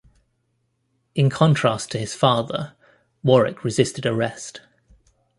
In contrast to his father, Warwick resisted arrest.